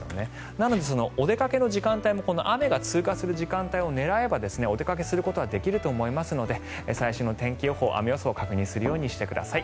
なので、お出かけの時間帯も雨が通過する時間帯を狙えばお出かけすることはできると思いますので最新の天気予報雨予想を確認するようにしてください。